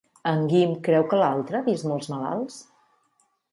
En Guim creu que l'altre ha vist molts malalts?